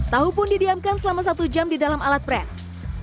tahu pun didiamkan selama satu jam di dalam alat pres